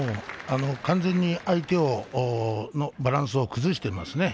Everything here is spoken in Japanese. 完全に相手のバランスを崩していますね。